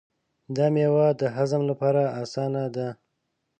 دا مېوه د هضم لپاره اسانه ده.